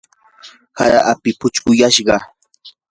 hara api puchquyashqa.